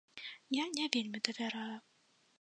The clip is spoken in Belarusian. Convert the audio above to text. Я не вельмі давяраю.